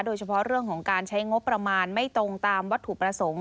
โดยเฉพาะเรื่องของการใช้งบประมาณไม่ตรงตามวัตถุประสงค์